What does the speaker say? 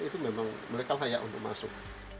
itu memang mereka layak untuk masuk